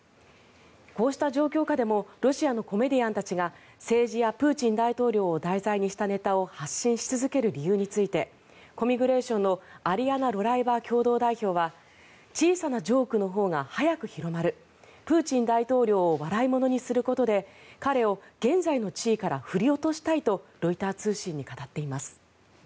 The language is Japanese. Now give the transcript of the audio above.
こうした状況下でもロシアのコメディアンたちが政治やプーチン大統領を題材にしたネタを発信し続ける理由についてコミグレーションのアリアナ・ロラエバ共同代表は小さなジョークのほうが早く広まるプーチン大統領を笑いものにすることで彼を現在の地位から振り落としたいとロイター通信に語っています。